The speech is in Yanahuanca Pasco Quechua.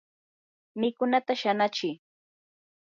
mikunata shanachi.